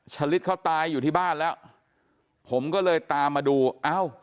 ลิดเขาตายอยู่ที่บ้านแล้วผมก็เลยตามมาดูเอ้า